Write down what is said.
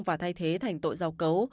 và thay thế thành tội giao cấu